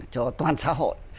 cho toàn xã hội